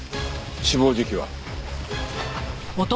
死亡時期は？